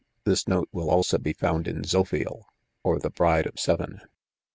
,f This note will also hi found in li Zopbiel, ok thu Bride of Seven